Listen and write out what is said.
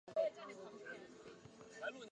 觉罗长麟乙未科进士。